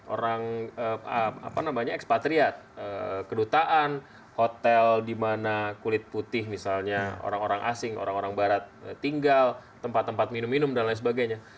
orang apa namanya ekspatriat kedutaan hotel di mana kulit putih misalnya orang orang asing orang orang barat tinggal tempat tempat minum minum dan lain sebagainya